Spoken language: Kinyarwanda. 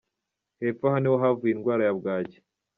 Hepfo aha niho havuye indwara yabwaki.